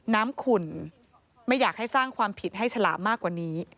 ขุ่นไม่อยากให้สร้างความผิดให้ฉลามมากกว่านี้